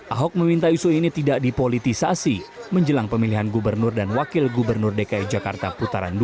ahok meminta isu ini tidak dipolitisasi menjelang pemilihan gubernur dan wakil gubernur dki jakarta putaran dua